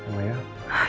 bisa jadi saling menguatkan